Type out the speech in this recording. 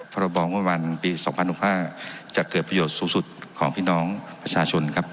พรบมวันปีสองพันหกห้าจะเกิดประโยชน์สูงสุดของพี่น้องประชาชนครับ